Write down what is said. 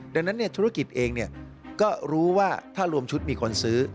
ดังนั้นธุรกิจเองก็รู้ว่าถ้ารวมชุดมีคนซื้อ